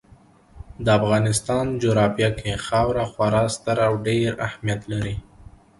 د افغانستان جغرافیه کې خاوره خورا ستر او ډېر اهمیت لري.